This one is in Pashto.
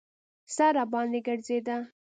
سر راباندې ګرځېده.